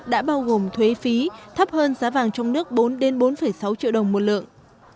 đã bao gồm thuế phí thấp hơn giá vàng trong nước bốn bốn sáu triệu đồng một lượng